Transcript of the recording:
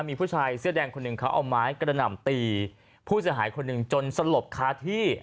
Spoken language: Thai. มีผู้ชายเสื้อแดงคนหนึ่งเขาเอาไม้กระหน่ำตีผู้เสียหายคนหนึ่งจนสลบคาที่